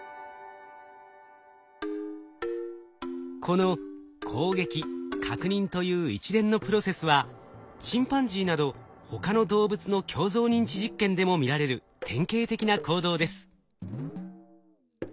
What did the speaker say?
この攻撃確認という一連のプロセスはチンパンジーなど他の動物の鏡像認知実験でも見られる典型的な行動です。